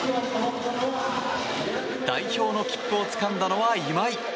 代表の切符をつかんだのは今井！